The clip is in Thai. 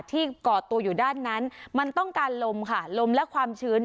ก่อตัวอยู่ด้านนั้นมันต้องการลมค่ะลมและความชื้น